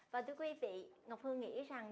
và thưa quý vị ngọc hương nghĩ rằng